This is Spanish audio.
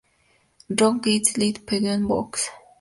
Rough Guides Ltd, Penguin Books.